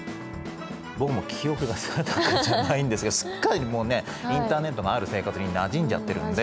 僕も記憶が定かじゃないんですがすっかりインターネットがある生活になじんじゃってるんで。